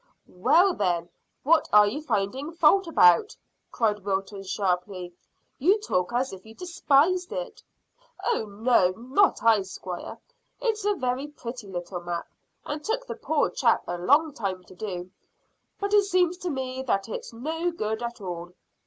"Well, then, what are you finding fault about?" cried Wilton sharply. "You talk as if you despised it." "Oh no, not I, squire. It's a very pretty little map, and took the poor chap a long time to do; but it seems to me that it's no good at all."